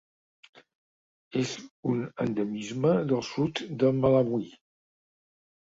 És un endemisme del sud de Malawi.